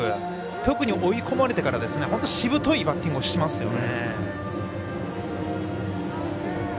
特に追い込まれてからしぶといバッティングをしますよね。